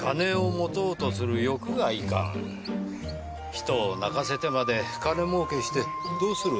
人を泣かせてまで金もうけしてどうする？